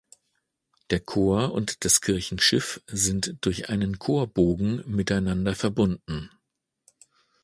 Der Chor und das Kirchenschiff sind durch einen Chorbogen miteinander verbunden.